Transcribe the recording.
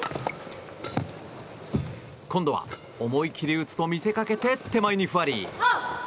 今度は思い切り打つと見せかけて手前にふわり。